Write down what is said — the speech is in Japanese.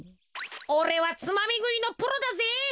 おれはつまみぐいのプロだぜ。